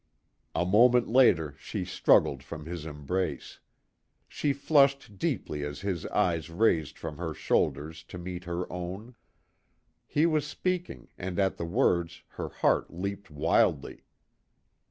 A moment later she struggled from his embrace. She flushed deeply as his eyes raised from her shoulders to meet her own. He was speaking, and at the words her heart leaped wildly.